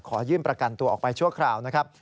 ขอยื่นประกันตัวออกไปชั่วคราวนะครับ